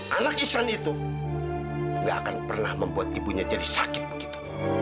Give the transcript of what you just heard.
anak ihsan itu gak akan pernah membuat ibunya jadi sakit begitu